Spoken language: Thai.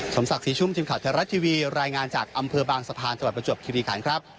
สมศักดิ์สีชุ่มจินข่าวธรรัชทีวีรายงานจากอำเภอบางสะพานสวัสดิ์ประจวบคิริขาณครับ